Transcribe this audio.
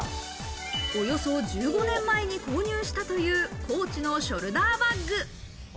およそ１５年前に購入したという、コーチのショルダーバッグ。